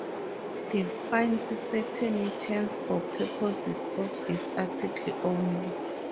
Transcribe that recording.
Defines certain terms for purposes of this Article only.